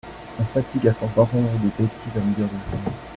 On fatigue à force d'entendre des bétises à longueur de journée.